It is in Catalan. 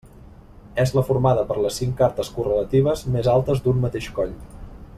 És la formada per les cinc cartes correlatives més altes d'un mateix coll.